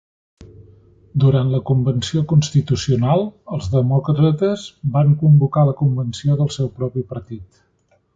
Durant la Convenció Constitucional, els Demòcrates van convocar la convenció del seu propi partit.